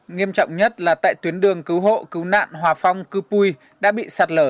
nghiêm trọng nhất là tại tuyến đường cứu hộ cứu nạn hòa phong cư pui đã bị sạt lở